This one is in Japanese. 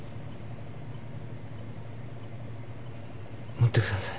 持ってください。